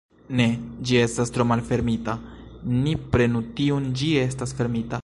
Ne, ĝi estas tro malfermita, ni prenu tiun, ĝi estas fermita.